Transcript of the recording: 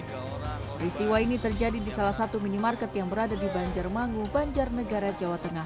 peristiwa ini terjadi di salah satu minimarket yang berada di banjar mangu banjar negara jawa tengah